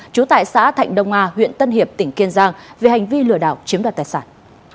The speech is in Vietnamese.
trú tại xã thạnh đông a huyện tân hiệp tỉnh kiên giang về hành vi lừa đảo chiếm đoạt tài sản